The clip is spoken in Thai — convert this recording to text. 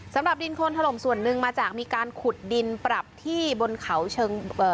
สำหรับดินโคนถล่มส่วนหนึ่งมาจากมีการขุดดินปรับที่บนเขาเชิงเอ่อ